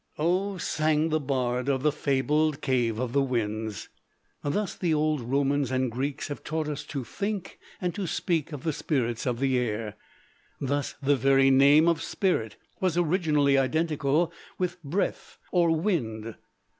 So sang the bard of the fabled cave of the winds. Thus the old Romans and Greeks have taught us to think and to speak of the spirits of the air. Thus the very name of "spirit" was originally identical with "breath" or "wind."